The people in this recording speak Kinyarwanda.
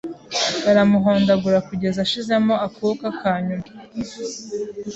baramuhondagura kugeza ashizemo akuka ka nyuma!!